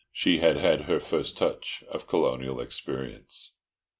She had had her first touch of colonial experience.